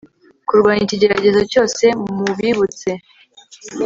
kurwanya ikigeragezo cyose Mubibutse